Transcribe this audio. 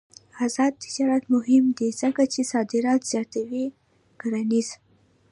آزاد تجارت مهم دی ځکه چې صادرات زیاتوي کرنيز.